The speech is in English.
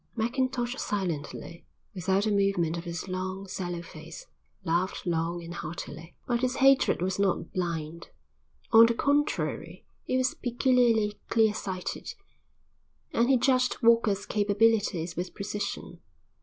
Mackintosh silently, without a movement of his long, sallow face, laughed long and heartily. But his hatred was not blind; on the contrary, it was peculiarly clear sighted, and he judged Walker's capabilities with precision.